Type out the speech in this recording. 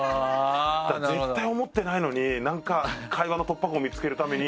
だから絶対思ってないのになんか会話の突破口見つけるために。